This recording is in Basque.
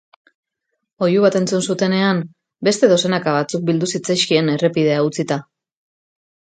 Oihu bat entzun zutenean, beste dozenaka batzuk bildu zitzaizkien errepidea utzita.